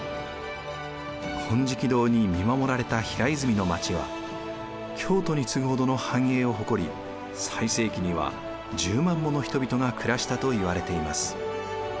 金色堂に見守られた平泉の町は京都に次ぐほどの繁栄を誇り最盛期には１０万もの人々が暮らしたといわれています。